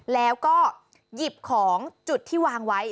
แล้วก็หยิบของจุดที่วางไว้